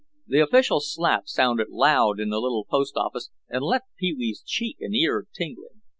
The official slap sounded loud in the little post office and left Pee wee's cheek and ear tingling.